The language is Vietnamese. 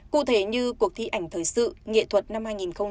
cụ thể như cuộc thi ảnh thời sự nghệ thuật năm hai nghìn hai mươi bốn